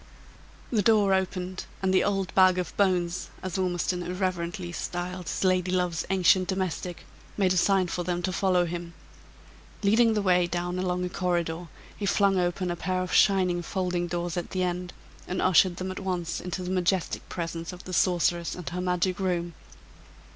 The door opened, and the "old bag of bones," as Ormiston irreverently styled his lady love's ancient domestic, made a sign for them to follow him. Leading the way down along a corridor, he flung open a pair of shining folding doors at the end, and ushered them at once into the majestic presence of the sorceress and her magic room.